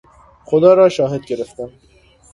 خدا را شاهد گرفتن